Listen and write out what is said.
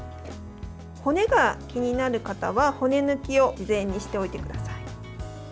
骨が、気になる方は骨抜きを事前にしておいてください。